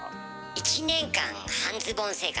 １年間半ズボン生活。